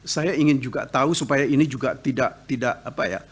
saya ingin juga tahu supaya ini juga tidak apa ya